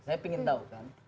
saya ingin tahu kan